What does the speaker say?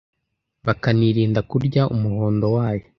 bakanirinda kurya umuhondo wayo